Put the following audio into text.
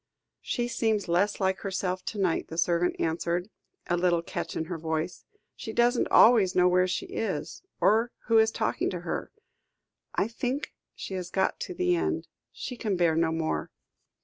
"She seems less like herself to night," the servant answered, a little catch in her voice; "she doesn't always know where she is, or who is talking to her. I think she has got to the end. She can bear no more."